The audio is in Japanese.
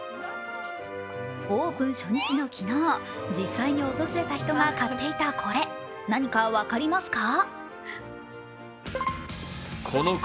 オープン初日の昨日、実際に訪れていた人が買っていたこれ、何か分かりますか？